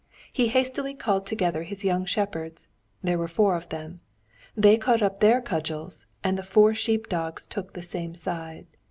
He hastily called together his young shepherds; there were four of them; they caught up their cudgels, and the four sheep dogs took the same side.